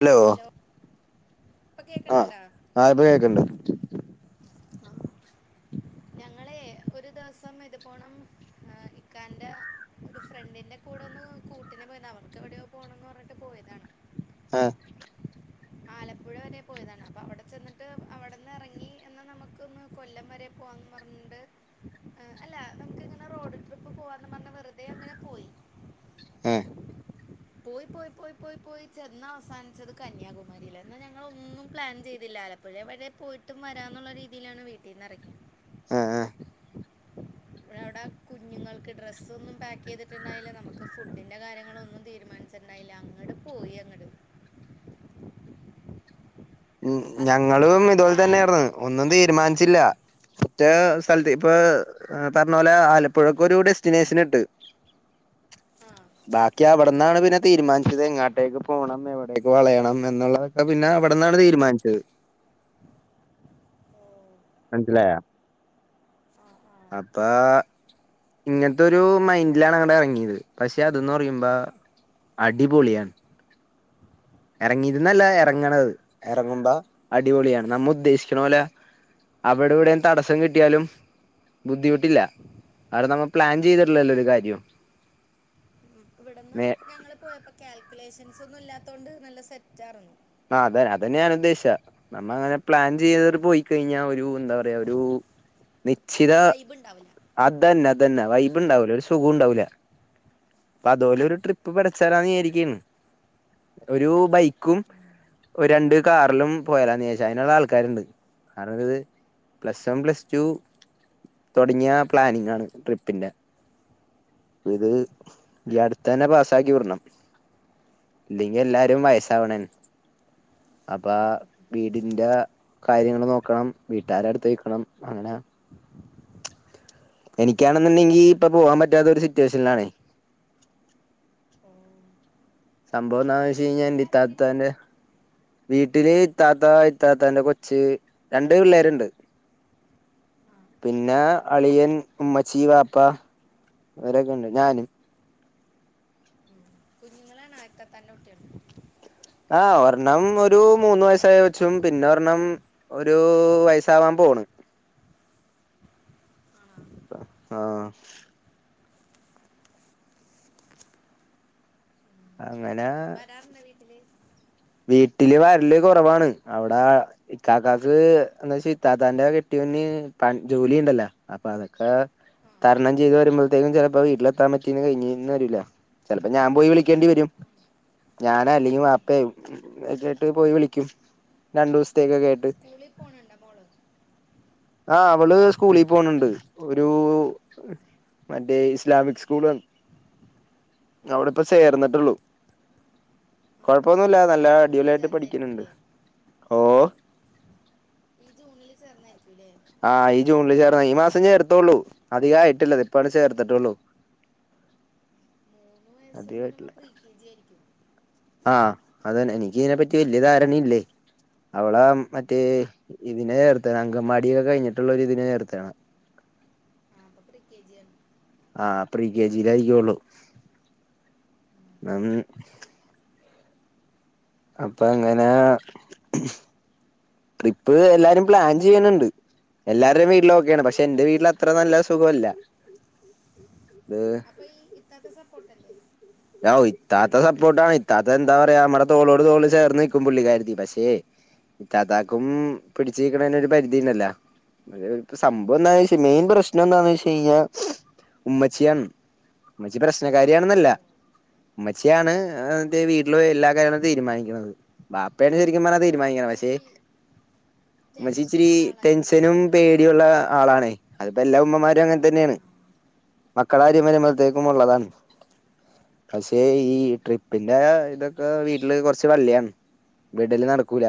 Hello. ഇപ്പം കേക്ക്‌ണുണ്ടോ? ആഹ് ഇപ്പം കേക്ക്‌ണ്ട്. മാങ്ങ. ഞങ്ങളെ ഒരു ദിവസം ഇത്പോണം ഏഹ് ഇക്കാന്റെ. ഒരു ഫ്രണ്ടിന്റെ കൂടെ ഒന്ന് കൂട്ടിന് പോയതാ അവർക്ക് എവിടെയോ പോണംന്ന് പറഞ്ഞിട്ട് പോയതാണ്. ആഹ്. ആലപ്പുഴ വരെ പോയതാണ് അപ്പൊ അവിടെ ചെന്നിട്ട് അവിടെന്ന് ഇറങ്ങി എന്നാ നമുക്കൊന്ന് കൊല്ലം വരെ പോവാന്ന്. പറ്ഞ്ഞിണ്ട്. ഏഹ് അല്ല നമുക്ക് ങ്ങനെ റോഡ് ട്രിപ്പ് പോവാന്നും പറഞ്ഞ് വെറുതെ അങ്ങനെ പോയി. ഉം. പോയി പോയി പോയി പോയി പോയി ചെന്ന് അവസാനിച്ചത് കന്യാകുമാരി. ന്നാ ഞങ്ങളൊന്നും പ്ലാൻ ചെയ്തില്ല. ആലപ്പുഴ വരെ പോയിട്ടും വരാന്നുള്ള രീതിയിലാണ് വീട്ടീന്ന് ഇറങ്ങിയെ. ആഹ് ആഹ്. പ്പഴ അവ്ടെ കുഞ്ഞുങ്ങൾക്ക് ഡ്രസ്സ് ഒന്നും പാക്ക് ചെയ്തിട്ടുണ്ടായീല. നമുക്ക് ഫുഡിന്റെ കാര്യങ്ങളൊന്നും തീരുമാനിച്ച- ണ്ടായില്ല അങ്ങട് പോയി അങ്ങട്. ഉം. അതുപോലെ ഞങ്ങളും നമ്മൾ ഇതുപോലെ പ്ലാൻ തന്നെയാർന്ന്. ചെയ് ഒന്നും തീരുമാനിച്ചില്ല. മറ്റേ സ്ഥലത്ത് ആ ഇപ്പൊ- പറഞ്ഞ പോലെ ആലപ്പുഴക്കൊരു ഡെസ്റ്റിനേഷൻ ഇട്ട്. ആ ബാക്കി അവട്ന്നാണ് പിന്നെ തീരുമാനിച്ചത് എങ്ങാട്ട- എവിടേക്ക് പോണം, എവിടേക്ക് വളയണം, എന്നുള്ളതൊക്കെ പിന്നെ അവിടെന്നാണ് തീരുമാനിച്ചത്. ഓ മനസിലായോ? ആ ആ അപ്പൊ. ഇങ്ങൻത്തൊരു മൈൻഡിലാണ് അങ്ങടെറങ്ങിയത്. പക്ഷെ അതെന്ന് പറയുമ്പോ അടിപൊളിയാണ്. ഇറങ്ങിയര്ന്നല്ല ഇറങ്ങണത് ഇറങ്ങുമ്പോ അടിപൊളിയാണ്. നമ്മ ഉദ്ദേശിക്ക്ണ പോലെ- അവടെ ഇവടേം തടസ്സം കിട്ടിയാലും. ബുദ്ധിമുട്ടില്ല. അത് നമ്മൾ പ്ലാൻ ചെയ്തിട്ട്ല്ലല്ലോ ഒരു കാര്യോം. ഇന്ക്ക് ഇവടന്ന് ഞങ്ങള് പോയപ്പോ കാൽക്കുലേഷൻസ് ഒന്നും ഇല്ലാത്തോണ്ട് നല്ല സെറ്റാർന്നു. ആഹ് അതെ അതന്നെ ഞാൻ ഉദ്ദേശിച്ചേ നമ്മൾ അങ്ങനെ പ്ലാൻ ചെയ്യാതെ പോയി കഴിഞ്ഞാ ഒരു എന്താ പറയാ ഒരു നിശ്ചിത വൈബ് ഉണ്ടാവില്ല അതന്നെ അതന്നെ വൈബ് ഉണ്ടാവൂല ഒരു സുഖം ഉണ്ടാവൂല. പ്പൊ അതോലെ ഒരു ട്രിപ്പ് പടച്ചാലാന്ന് വിചാരിക്കാണ് ഒരു ബൈക്കും. ഒരു രണ്ട് കാറിലും പോയാലോന്നാച്ചെ അയിന്ള്ള ആൾക്കാരുണ്ട് അതായത്. പ്ലസ് വൺ, പ്ലസ് ടു തൊട്ങ്ങിയ പ്ലാനിങ്ങ് ആണ് ട്രിപ്പിന്റെ. ഇത് ഈ അട്ത്തന്നെ പാസ്സാക്കി വിടണം. ഇല്ലെങ്കി എല്ലാരും വയസ്സാവണെണ് [inaudible] അപ്പൊ വീടിന്റെ കാര്യങ്ങൾ നോക്കണം വീട്ടുകാരെ അടുത്ത് നിക്കണം അങ്ങനെ എനിക്കാണെന്നുണ്ടെങ്കി ഇപ്പൊ പോവാൻ പറ്റാത്ത ഒരു സിറ്റുവേഷനിലാണേ ഓ സംഭവം എന്താന്ന് വെച്ച് കഴിഞ്ഞാല് വീട്ടിലാരൊക്കെ ഉണ്ട് ഇത്താത്താന്റെ വീട്ടില് ഇത്താത്ത ഇത്താത്തന്റെ കൊച്ച് രണ്ട് പിള്ളേരുണ്ട്. ആഹ് പിന്ന അളിയൻ ഉമ്മച്ചി വാപ്പ ഇവരൊക്കെ ഉണ്ട് ഞാന് കുഞ്ഞുങ്ങളെണോ ഇത്തത്താന്റെ കുട്ടിയാള് ആഹ് ഒരെണ്ണം ഒരു മൂന്ന് വയസ്സായ കൊച്ചും പിന്നെ ഒരെണ്ണം- ഒരു വയസാവാൻ പോണ് ആണോ ആഹ് അങ്ങന വരാറുണ്ട വീട്ടില് വീട്ടില് വരല് കുറവാണ് അവട ഇക്കാക്കാക്ക് എന്താ വെച്ച ഇത്താത്താന്റെ കെട്ടിയോന് ജോലി ഉണ്ടല്ലോ അപ്പൊ അതൊക്കെ ആ തരണം ചെയ്ത് വരുമ്പോഴത്തേക്കും ചിലപ്പോ വീട്ടിലെത്താൻ പറ്റീന്ന് കഴിഞ്ഞന്ന് വരൂല്ല ചിലപ്പോ ഞാൻ പോയി വിളിക്കേണ്ടി വരും ഞാനോ അല്ലെങ്കി ആ വാപ്പെയൊ [unintelligible] കേട്ട് പോയി വിളിക്കും രണ്ടു ദിവസത്തേക്കൊക്കായിട്ട് സ്കൂളി പോണ് ണ്ട മോള് ആഹ് അവള് സ്കൂളിൽ പോണണ്ട് ഒരു മറ്റേ ഇസ്ലാമിക് സ്കൂള് അവിടെപ്പ ചേർന്നിട്ടുള്ളു ആ, ആ. കൊഴപ്പൊന്നുല്ല നല്ല ഈ ജൂണിൽ അടിപൊളിയായിട്ട് പഠിക്കണണ്ട്. ചേർന്നായിരിക്കൂലേ ഓ ഈ ജൂണില് ചേർന്നായിരിക്കൂല്ലേ ആഹ് ഈ ജൂണില് ചേർന്ന ഈ മാസം ചേർത്തുള്ളൂ അധിക ആയിട്ടില്ലത് ഇപ്പട് ചേർത്തിട്ടുള്ളൂ ഉം അധികായിട്ടില്ല ആഹ് അതാണ് എനിക്ക് ഇതിനെപ്പറ്റി വലിയ ധാരണയില്ലേ അവള മറ്റേ ഇതിനെ ചേർത്താണ് അങ്കനവാടിയൊക്കെ കഴിഞ്ഞിട്ടുള്ളൊര് ഇതിനെ ചേർത്താണ് പ്രിക്കേജിയാണ് ആഹ് പ്രീ കെജിയിലയിരിക്കുള്ളൂ [unintelligible] അപ്പൊ അങ്ങന ട്രിപ്പ് എല്ലാരും പ്ലാൻ ചെയ്യണണ്ട് എല്ലാവരുടെയും വീട്ടിലോക്കെയാണ് പക്ഷെ എന്റെ വീട്ടിൽ അത്ര നല്ല സുഖല്ല ഇപ്പൊ ഈ ഇത്താത്ത സപ്പോട്ടല്ലേ ഇത്താത്ത സപ്പോർട്ട് ആണ് ഇത്താത്ത എന്താ പറയാ നമ്മടെ തോളോട് തോള് ചേർന്ന് നിക്കും പുള്ളിക്കാരിത്തി പക്ഷെ ഇത്താത്താക്കും പിടിച്ചു നിക്കണേന് ഒരു പരിധി ഉണ്ടല്ലോ ഇപ്പ സംഭവം എന്താന്ന് ഉം. വച്ചാ മെയിൻ പ്രശ്നം എന്താന്ന് വെച്ച കഴിഞ്ഞാ ഉമ്മച്ചിയാണ് ഉമ്മച്ചി ഓ പ്രശ്നകാരിയാണെന്നല്ല ഉമ്മച്ചിയാണ് ന്റെ വീട്ടില് എല്ലാ കാര്യങ്ങളും തീരുമാനിക്കുന്നത് ബാപ്പേ ആണ് ശരിക്കും പറഞ്ഞാ ആൾക്ക് തീരുമാനിക്കണത് പക്ഷേ ഇച്ചിരി ഉമ്മച്ചി ഇച്ചിരി ടെൻഷനുള്ള ആളായിരിക്കൂലേ ടെൻഷനും മോൻ്റെ പേടിയും ഉള്ള കാര്യത്തില് ആളാണെ അതിപ്പോ എല്ലാ ഉമ്മമാരും ആ അങ്ങനെ ആ തന്നെയാണ് മക്കളകാര്യം വരുമ്പോഴത്തേക്കും ഉള്ളതാണ് പക്ഷെ ഈ ട്രിപ്പിന്റെ ഇതൊക്കെ വീട്ട്ല് കൊറച്ച് വള്ളിയാണ് വിടല് നടക്കൂല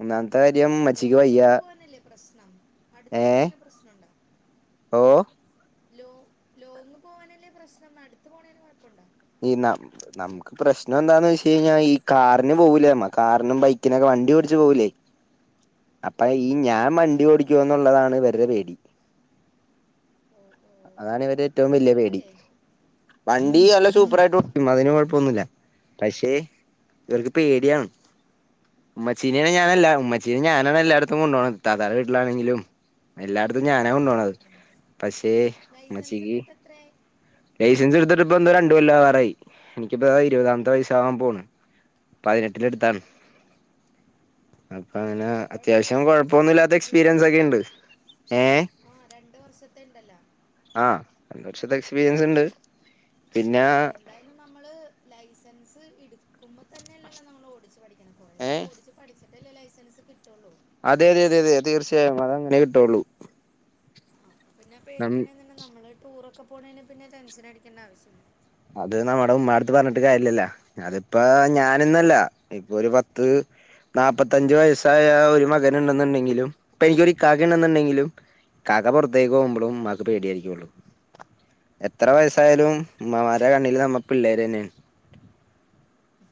ഒന്നാമ്ത്ത കാര്യം ഇമ്മച്ചിക്ക് ലോങ് വയ്യ ഒക്കെ ഏഹ് പ്രശ്നണ്ടോ ഓഹ് ലോ ലോങ്ങ് പോവാനല്ലേ പ്രശ്നം അട്ത്ത് പോണേന് കൊഴപ്പണ്ടോ ഈ നമ് നമ്ക്ക് പ്രശ്ന എന്താന്ന് വെച്ച് കഴിഞ്ഞാ ഈ കാറിന് പോവൂലേ നമ്മ കാറിനും ബൈക്കിനൊക്കെ വണ്ടി ഓടിച്ച് പോവൂലേ അപ്പൊ ആ, ഈ ഞാ വണ്ടി ഓടിക്കോന്നുള്ളതാണ് ഇവര്ടെ പേടി ഓ ഓ അതാണ് ഇവര്‌ടേ ഏറ്റവും വണ്ടി വല്ലേ പേടി ഓടിക്കൂലേ വണ്ടി നല്ല സൂപ്പറായിട്ട് ഓടിക്കും അതിന് കൊഴപ്പൊന്നുല്ല പക്ഷെ ഇവർക്ക് പേടിയാണ് ഇമ്മച്ചീ നേൺ ഞാനല്ല ഉമ്മച്ചീനെ ഞാനാണ് എല്ലാട്ത്തും കൊണ്ടാണത് ത്താത്താടെ വീട്ട്ലാണെങ്കിലും എല്ലാട്ത്തും ഞാനാ കൊണ്ടോണത് പക്ഷേ ലൈസൻസ് ഉമ്മച്ചിക്ക് ഇട്ത്ത്ട്ട് എത്രയായി ലൈസൻസ് ഇട്തിത്തിട്ട് ഇപ്പ ഇന്ന് രണ്ട് കൊല്ല ആവാറായി എനിക്കിപ്പ ഇരു വതാമത്തെ വയസ്സാവാ ആ പോണ് പതിനെട്ടില് ഇട്ത്താണ് [inaudible] അപ്പ അങ്ങനെ കുഴപ്പമില്ല അത്യാവശ്യം രണ്ട് വർഷത്തെ കൊഴപ്പൊന്നുല്ലാത്ത എക്സ്പീരൻസ് ഒക്കെ ഇണ്ട് ഏഹ് ആഹ് രണ്ട് വർഷത്ത ഇണ്ടല്ല ആഹ് രണ്ട് വർഷത്ത എക്സ്പീരിയൻസ് ഇണ്ട് പിന്നെ എന്തായാലും നമ്മള് ലൈസൻസ് ഇട്ക്കുമ്പോ തന്നെല്ലല്ലോ നമ്മൾ ഓടിച്ച പഠിക്ക്ണ് കൊറേ ഏ നാള് ഓടിച്ച് പഠിച്ചിട്ടല്ലേ ലൈസൻസ് കിട്ടൊള്ളൂ അതെ അതെ അതെ അതെ തീർച്ചയായും അത് അങ്ങനെ കിട്ടൊള്ളൂ ആ, അപ്പൊ പിന്നെ പേടിക്കണ എന്തിനാ നമ്മൾ ടൂറെക്കെ പോണേന് പിന്നെ ടെൻഷൻ അടിക്കണ്ട ആവശ്യ അത് നമ്മടെ ഉമ്മാട്ത്ത് പറഞ്ട്ട് കാര്യല്ലല്ലോ അത്പ്പോ ഞാനന്നല്ല ഇപ്പൊ ഒരു പത്ത് നാപ്പത്തഞ്ച് വയസ്സായ ഒരു മകനുണ്ടെന്നുണ്ടെങ്കിലും ഇപ്പ എനിക്കൊരു ഇകാക്ക ഇണ്ടന്നുണ്ടെങ്കിലും ഇക്കാക പൊറത്തേക്ക് പോവുമ്പളും ഉമ്മാക്ക് പേടിയായിരിക്കൊള്ളു എത്ര വയസ്സായാലും ഉമ്മമാരെ കണ്ണില് നമ്മ പിള്ളേരന്നെ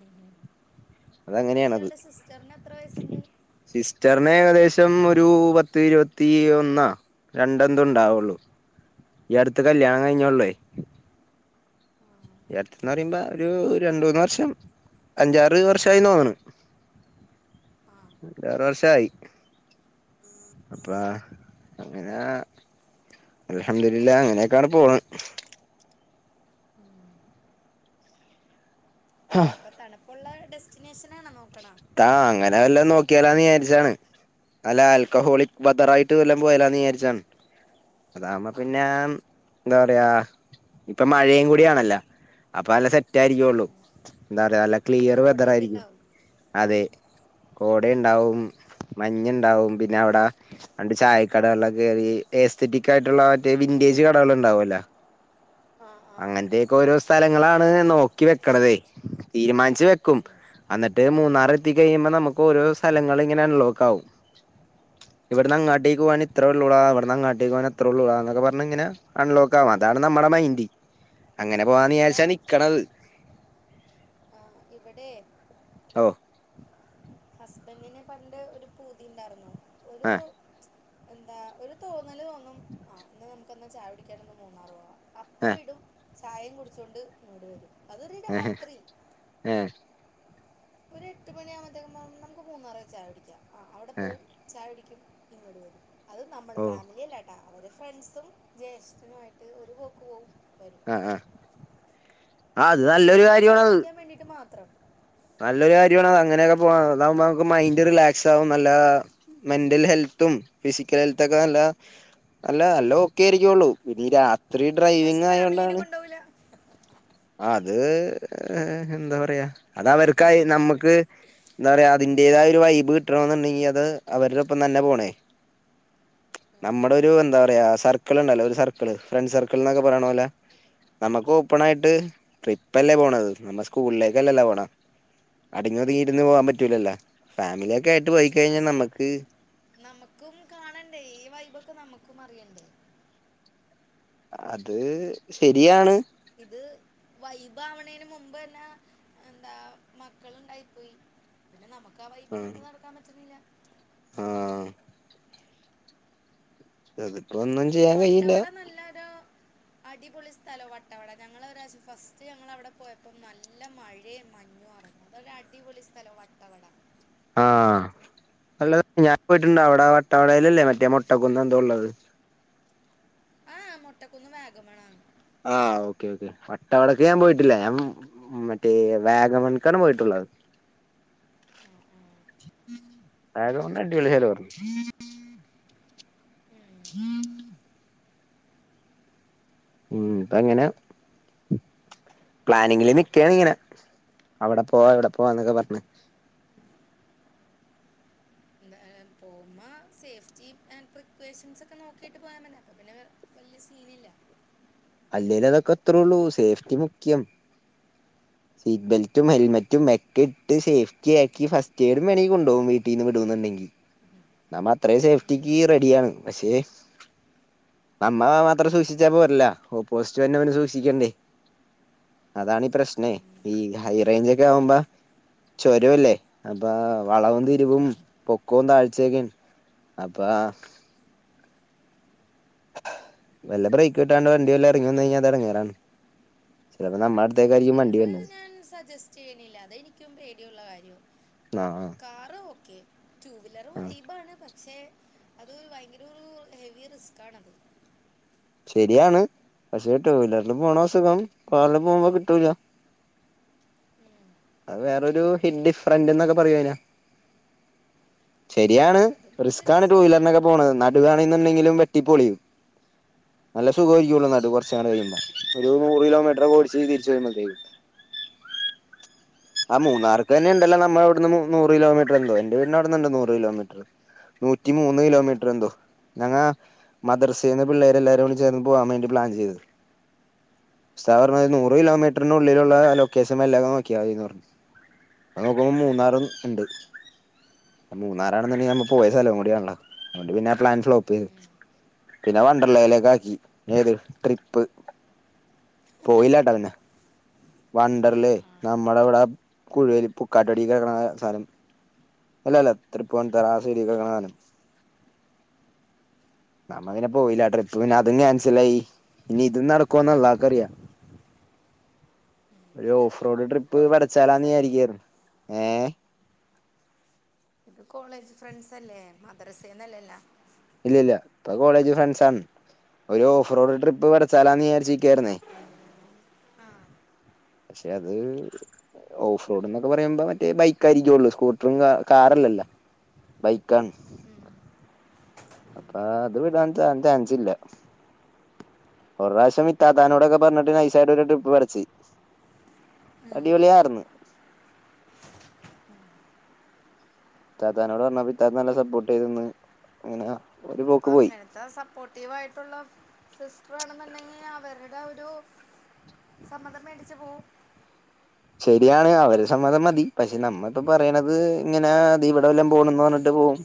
ഉം അപ്പ ഇയാളുടെ സിസ്റ്റർന് എത്ര വയസ്സ്ണ്ട് സിസ്റ്റർന് ഏകദേശം ഒരു പത്ത് ഇരുപത്തി ഒന്നാ രണ്ടെതൊ ഇണ്ടാ വൊള്ളൂ ഈ അട്ത്ത് കല്യാണം കഴിഞ്ഞൊള്ളയ് ഈ അടുത്ത്ന്ന് പറിമ്പോ ഒരു രണ്ടു മൂന്ന് വർഷം അഞ്ചാറ് വർഷായിന്ന് തോന്ന്ണ് ആ അഞ്ചാറ് വർഷായി അപ്പാ അങ്ങനാ അൽഹംദുലില്ലാ അങ്ങനെയൊക്ക ആണ് പോണ് ഹാ ഇപ്പ തണ്പ്പുള്ള ഡെസ്റ്റിനേഷനാണോ നോ താ അങ്ങനെ വല്ലോം നോക്കിയാലാന്ന് വിചാരിച്ചാണ് അല്ല ആൽക്കഹോളിക് ബദറായിട്ട് വല്ലോം പോയാലാന്ന് വിചാരിച്ചാണ് അതാവുമ്പോ പിന്നെ എന്താ പറയാ ഇപ്പ മഴയും കൂടിയാണല്ലോ അപ്പ നല്ല സെറ്റായിരിക്കൊള്ളൂ എന്താ പറയ നല്ല അപ്പൊ ക്ലിയറ് വെതർ കോടയൊക്കെ ആരിക്കും ഉണ്ടാവും അതെ കോടെണ്ടാവും മഞ്ഞുണ്ടാവും പിന്നെ അവിടെ രണ്ട് ചായക്കടകളിലൊക്ക ക്കേറി ഏയ്സ്തറ്റിക് ആയിട്ടുള്ള മറ്റേ വിൻറ്റേജ് കടകൾ ഉണ്ടാവൊല്ല ആ ആ അങ്ങൻത്തെ ക്കോരോ സ്ഥലങ്ങളാണ് നോക്കി വെക്കണതേ തീരുമാനിച്ചു വെക്കും എന്നിട്ട് മൂന്ന് ന്നാറെത്തി കഴിയുമ്പോൾ നമുക്ക് ഓരോരോ സ്ഥലങ്ങള്ങ്ങനെ അൺലോക്ക് ആകും ഇവിടുന്ന് അങ്ങാട്ടേക്ക് പോകാനിത്രയേ ഉള്ളു ടാ ഇവിടന്ന് അങ്ങട്ടേക്ക് പോവാൻ അത്ര ഉള്ളു ഡാ എന്നൊക്കെ പറഞ്ഞങ്ങനെ അൺലോക്ക് ആവും അതാണ് നമ്മുടെ മൈൻഡ് അങ്ങനെ പോവാന്ന് ഇവിടെ വിചാരിച്ചാ നിക്കണത് ആ, ഇവിടെ ഓ ഹസ്ബൻഡിന് പണ്ട് ഒരു പൂതിണ്ടാര്ന്നു ഒരു ആ എന്താ ഒരു തോന്നൽ തോന്നും ആ ഇന്ന് നമുക്ക് ഒന്ന് ചായ കുടിക്കാൻ ഒന്ന് മൂന്നാറ് പോകാം ആ അപ്പംവിടും ചായയും കുടിച്ചോണ്ട് ഇങ്ങോട് വരും അതൊരു രാത്രി ഏ ഒരു എട്ട് മണിയാകുമ്പഴത്തേക്കും പറയും നമുക്ക് മൂന്നാറ് പോയി ചായ കുടിക്കാം ആഹ് അവിടെ ആ പോവും ചായ കുടിക്കും ഇങ്ങോട്ട് വരും അത് നമ്മള് ഓ ഫാമിലിയല്ല കേട്ടോ അവർ ഫ്രണ്ട്സും ജ്യേഷ്ഠനുമായിട്ട് ഒരു പോക്ക് പോകും വരും ആഹ് ആഹ് അത് നല്ലൊരു കാര്യമാണത് വേണ്ടീട്ട് മാത്രം നല്ല കാര്യവാണ് അങ്ങനെയൊക്കെ പോണത് അതാകുമ്പോ നമുക്ക് മൈന്റ് റിലാക്സ് ആകും നല്ല മെന്റൽ ഹെൽത്തും ഫിസിക്കൽ ഹെൽത്തൊക്കെ നല്ല അല്ല എല്ലാം ഒക്കെ ആയിരിക്കുള്ളൂ ഇനി രാത്രി ഡ്രൈവിങ്ങ് ആയൊണ്ടാണ് കൊണ്ടോവൂല അത് എഹ് എന്താ പറയാ അത് അവർക്കായി നമ്മക്ക് എന്താ പറയാ അതിന്റേതായ ഒരു വൈബ് കിട്ടണെന്നുണ്ടെങ്കിൽ അത് അവരോടൊപ്പം തന്നെ പോണേ നമ്മുടെ ഒരു എന്താ പറയാ സർക്കിൾ ഇണ്ടല്ലോ ഒരു സർക്കിൾ ഫ്രണ്ട് സർക്കിൾ എന്നൊക്കെ പറയണ പോലെ നമുക്ക് ഓപ്പൺ ആയിട്ട് ട്രിപ്പല്ലേ പോണത് നമ്മ സ്കൂളിലേക്കല്ലല്ലേ പോണ് അടങ്ങി ഒതുങ്ങി ഇരുന്ന് പോവാൻ പറ്റൂലല്ലോ ഫാമിലിയൊക്കെ ആയിട്ട് പോയിക്കഴിഞ്ഞാൽ പക്ഷെ നമുക്ക് നമുക്കും കാണണ്ടേ ഈ വൈബൊക്കെ നമ്മുക്കും അറിയണ്ടേ അത് ശരിയാണ് ഇത് വൈബാവണേന് മുമ്പ് അന്നെ എന്താ മക്കള്ണ്ടായിപ്പോയി പിന്നെ നമുക്ക് ആ വൈബിന് ഒത്ത് നടക്കാൻ പറ്റുന്നില്ല ആഹ് [unintelligible] പ്പളൊന്നും ചെയ് വട്ടവട നല്ലൊരു അടിപൊളി സ്ഥലവാ വട്ടവട ഞങ്ങള് ഒരു പ്രാവശ്യം ഫസ്റ്റ് ഞങ്ങളവിടെ പോയപ്പോൾ നല്ല മഴയും മഞ്ഞും ആർന്നു നല്ല അടി പൊളി സ്ഥലമാ വട്ടവട ആഹ് അല്ല് ഞാൻ പോയിട്ടുണ്ട് അവിടെ വട്ടവടയിലല്ലേ മറ്റേ മൊട്ട കുന്ന് എന്തോ ഉള്ളത് ഏഹ് ഹേ മൊട്ടക്കുന്ന് വാഗമൺ ആണ് ആഹ് ഓക്കെ ഓക്കെ വട്ടവടക്ക് ഞാൻ പോയിട്ടില്ല ഞാൻ മറ്റേ വാഗമൺക്കാണ് പോയിട്ടുള്ളത് ആഹ് ആഹ് വാഗമൺ അടിപൊളിസ്ഥലവാണ് ഉം ഉം ഉം പ്പങ്ങനെ പ്ലാനിങ്ങില് നിക്കേണ് ഇങ്ങനെ അവിടെ പോവാ ഇവിടെ പോവാ എന്നൊക്കെ പറഞ്ഞ് എന്താലും പോകുമ്മ സേഫ്റ്റി ആൻഡ് പ്രിക്കോഷൻസ് ഒക്കെ നോക്കിയിട്ട് പോയാമതി അപ്പൊ പിന്നെ വല്ല്യ സീനില്ല അല്ലേൽ അതൊക്കെ അത്രേള്ളൂ സേഫ്റ്റി മുഖ്യം [inaudible] സീറ്റ് ബെൽറ്റും ഹെൽമറ്റും മെക്കെ ഇട്ട് സേഫ്റ്റിയാക്കി ഫസ്റ്റ് എയ്ഡും മേണമെങ്കി കൊണ്ടപോകും വീട്ടിൽ നിന്ന് വിടുന്നുണ്ടെങ്കി നമ്മ അത്രയും സേഫ്റ്റിക്ക് റെഡിയാണ് പക്ഷേ നമ്മ മാത്രം സൂക്ഷിച്ചാപ്പോരല്ലോ ഓപ്പോസിറ്റ് വരുന്നവനും സൂക്ഷിക്കണ്ടേ? അതാണീ പ്രശ്നേ ഈ ഹൈറേഞ്ചക്കെ ആവുമ്പോ ചോരവല്ലേ അപ്പ വളവും തിരിവും പൊക്കവും താഴ്ച്ചയൊക്കെ അപ്പാ വല്ല ബ്രേക്ക് കിട്ടാണ്ട് വണ്ടി വല്ലാം ഇറങ്ങി വന്ന കഴിഞ്ഞാ അത് എട്ങ്ങേറാണ് ചെലപ്പോ നമ്മ റ്റുവീലർ ഞാൻ സജസ്റ്റയ്യണില്ല അതെനിക്കും പേടിയുള്ള കാര്യവ ന്നാ കാറ് ഓക്കെ റ്റുവീലറ് വൈബാണ് പ ക്ഷെ അത് ഭയങ്കരൊരു ഹെവി റിസ്ക്കാണത് ശരിയാണ് പക്ഷെ റ്റുവീലറിൽ പോണ സുഖം കാറില് പോകുമ്പോ കിട്ടൂല [inaudible] അത് വേറൊരു ഹിന്ദി ഫ്രണ്ട് ന്നൊക്കെ പറയുനാ ശരിയാണ് അതും ഒരു റിസ്ക്കാണ് രസമൊക്കെയാണ് റ്റുവീലറിനൊക്കെ പോണത് നടുവണന്നുണ്ടെങ്കിലും വെട്ടി പോളിയും നല്ല ആ സുഖമായിരിക്കുള്ളു നടു കുറച്ചങ്ങട് കഴിയുമ്പോ ഒരു നൂറ് കിലോമീറ്ററോ ഓടിച്ച് തിരിച്ചു വരുമ്പത്തേക്ക് ആ മൂന്നാർക്കന്നെ ഉണ്ടല്ലോ നമ്മള അവിടുന്ന് മു നൂറ് കിലോമീറ്ററേന്തോ എന്റെ വീടിന്റെ അവിടുന്ന്ണ്ട് നൂറ് കിലോമീറ്റർ നൂറ്റിമൂന്ന് ആ കിലോമീറ്റർ എന്തോ ഞങ്ങ മദ്രസെന്ന് പിള്ളേരെല്ലാരും ചേർന്ന് പോകാ വേണ്ടി പ്ലാൻ ചെയ്ത് സ്താദ് പറഞ്ഞ് നൂറ് കിലോമീറ്ററിനുള്ളിലുള്ള ലൊക്കേഷൻ വല്ലോം നോക്കിയാമതിന്ന് പറഞ്ഞ് അത് നോക്കുമ്പോ ആ, മൂന്നാറും ഇണ്ട് മൂന്നാറാണെന്നെ നമ്മ പോയ സ്ഥലം കൂടാണല്ല അത് കൊണ്ട് പിന്നെ പ്ലാൻ ഫ്ലോപ്പെയ്ത് ഉം. പിന്നെ വണ്ടർലേലാക്കി ഏത് ട്രിപ്പ് പോയില്ലട്ടാ പിന്നെ ആ, വണ്ടർല്ലേ ആ. നമ്മുടെ ഇവിടെ കുഴുവ [unintelligible] സ്ഥലം അല്ലല്ല തൃപ്പൂണിതറ ആ [unintelligible] നമ്മള ഇങ്ങെ പോയില്ല ട്രിപ്പ് പിന്നെ അതും ക്യാൻസിലായി ഇനി ഇതും നടക്കുവന്ന് അള്ളാക്കറിയാം [inaudible] ഒരു off road trip college friends അല്ലേ പടച്ചാലാന്നിരിക്കായിരുന്നു ഏഹ് ഇത് കോളേജ് ഫ്രണ്ട്സ് അല്ലേ മദ്രസന്നല്ലേല്ല ഇല്ലല്ല ഇപ്പൊ കോളേജ് ഫ്രണ്ട്സാണ് ഒരു ഓഫ് റോഡ് ട്രിപ്പ് പെടച്ചാലാന്ന് വിചാരിച്ചിരിക്കായിരുന്നേ ആ ക്ഷെ അത് ഓഫ് റോഡ് എന്നൊക്കെ പറയുമ്പോ മറ്റേ ബൈക്കായിരിക്കുള്ളൂ സ്കൂട്ടറും കാറല്ലല്ല ബൈക്കാണ് പ്പോ അത് വിടാൻ ചാ ചാൻസില്ല ഒരു പ്രാവശ്യം ഇത്താത്താനോടൊക്കെ പറഞ്ഞിട്ട് നൈസായിട്ട് ഒരു ട്രിപ്പ് വരച്ച് അടിപളിയായിര്ന്ന് ഇത്താത്താനോട് പറഞ്ഞപ്പ ഇത്താ നല്ല സപ്പോർട്ട് ചെയ്ത്ന്ന് ഇങ്ങനെ [unintelligible] ത്ര സപ്പോർട്ടീവായിട്ടുള്ള സിസ്റ്റർ ആണെന്നുണ്ടെങ്കി അവരുടെ ഒരു സമ്മതം മേടിച്ച് പോവും ശരിയാണ് അവരെ സമ്മതം മതി പക്ഷെ നമ്മളിപ്പോ പറയണത് ഇങ്ങനെ ദേ ഇവടെ വല്ലോം പോണന്ന് പറഞ്ഞിട്ട് പോവും